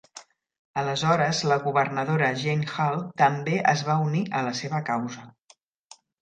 Aleshores la Governadora Jane Hull també es va unir a la seva causa.